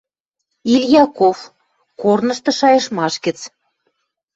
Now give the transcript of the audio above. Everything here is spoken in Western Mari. Ильяков, «Корнышты» шайыштмаш гӹц.